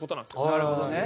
なるほどね。